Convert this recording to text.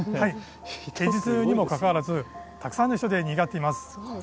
平日にもかかわらずたくさんの方でにぎわっています。